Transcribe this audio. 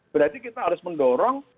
berarti kita harus mendorong